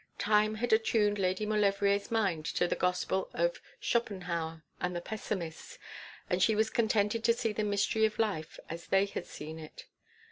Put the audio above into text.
Time had attuned Lady Maulevrier's mind to the gospel of Schopenhauer and the Pessimists, and she was contented to see the mystery of life as they had seen it.